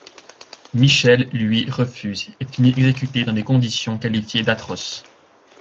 Michel, lui, refuse et finit exécuté dans des conditions qualifiées d'atroces.